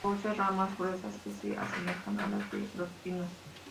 Posee ramas gruesas que se asemejan a las de los pinos.